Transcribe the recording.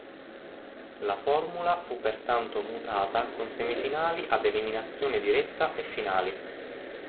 La formula fu pertanto mutata con semifinali ad eliminazione diretta e finali.